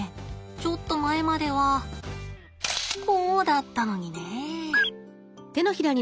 ちょっと前まではこうだったのにねえ。